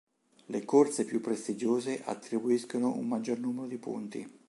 Le corse più prestigiose attribuiscono un maggior numero di punti.